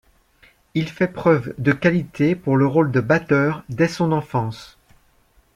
Il fait preuve de qualités pour le rôle de batteur dès son enfance.